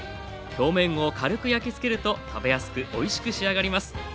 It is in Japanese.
表面を軽く焼きつけると食べやすくおいしく仕上がります。